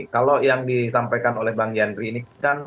kalau yang disampaikan oleh bang yandri ini kan